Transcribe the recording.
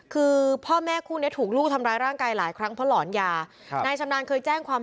คือพ่อแม่คู่เนี้ยถูกลูกทำร้ายร่างกายหลายครั้งเพราะหล่อนยา